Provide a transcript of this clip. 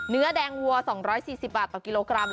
เนื้อแดงวัว๒๔๐บาทต่อกิโลกรัม